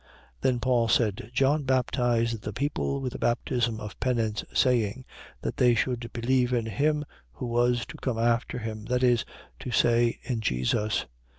19:4. Then Paul said: John baptized the people with the baptism of penance saying: That they should believe in him, who was to come after him, that is to say, in Jesus.